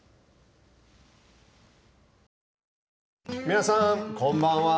皆さんこんばんは。